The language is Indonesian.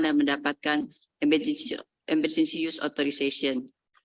dan mendapatkan emergency use authorization